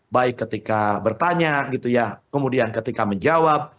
baik ketika bertanya gitu ya kemudian ketika menjawab